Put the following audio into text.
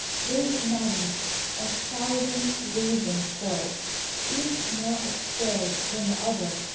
They imagined a thousand reasons for it, each more absurd than the other.